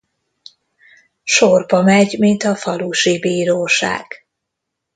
Sorba megy, mint a falusi bíróság.